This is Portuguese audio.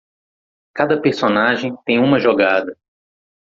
Cada personagem tem uma jogada